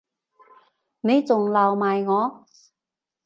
你仲鬧埋我